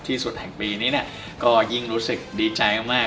ที่สุดแห่งปีนี้ก็ยิ่งรู้สึกดีใจมาก